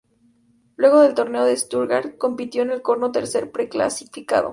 Luego del Torneo de Stuttgart, compitió en el como tercer preclasificado.